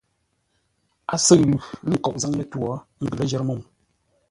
A sʉʉ lʉ lə̂ nkoʼ zâŋ lətwǒ, ə́ ngʉ ləjərə́ mə́u.